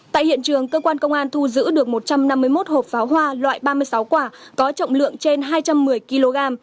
tại hiện trường cơ quan công an thu giữ được một trăm năm mươi một hộp pháo hoa loại ba mươi sáu quả có trọng lượng trên hai trăm một mươi kg